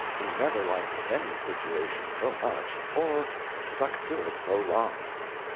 He never liked any situation so much or stuck to it so long.